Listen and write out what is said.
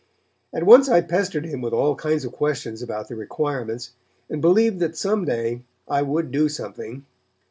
"At once I pestered him with all kinds of questions about the requirements, and believed that some day I would do something.